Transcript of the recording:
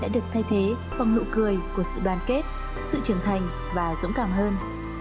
đã được thay thế bằng nụ cười của sự đoàn kết sự trưởng thành và dũng cảm hơn